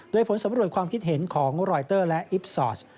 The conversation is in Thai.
โดยผลสำรวจความคิดเห็นของรอยเตอร์และอิฟซอร์ส